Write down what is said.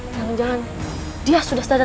jangan jangan dia sudah sadarkan diri